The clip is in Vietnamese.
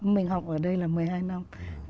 mình học ở đây là một mươi hai năm